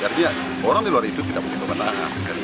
artinya orang di luar itu tidak punya kewenangan